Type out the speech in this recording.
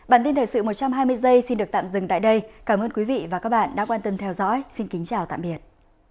bản tin thời sự một trăm hai mươi giây xin được tạm dừng tại đây cảm ơn quý vị và các bạn đã quan tâm theo dõi xin kính chào tạm biệt